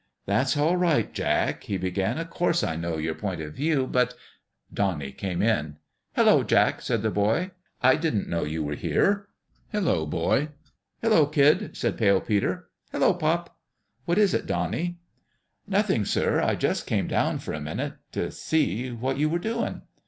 "That's all right, Jack," PALE PETER'S DONALD 135 he began. " Of course, I know your point of view ; but " Donnie came in. " Hello, Jack !" said the boy. " I didn't know you were here." " Hello, boy !"" Hello, kid !" said Pale Peter. " Hello, pop !" "What is it, Donnie?" " Nothing, sir. I just came down for a minute to see what you were doing."